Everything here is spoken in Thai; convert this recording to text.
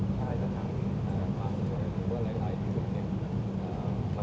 หมอบรรยาหมอบรรยา